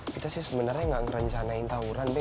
kita sih sebenernya gak ngerencanain tawuran be